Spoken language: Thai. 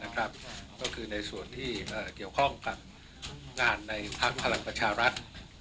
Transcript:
ก็คือในส่วนที่เกี่ยวข้องกับงานในพักพลังประชารัฐ